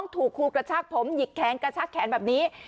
ถูกครูกระชากผมหยิกแขนกระชากแขนแบบนี้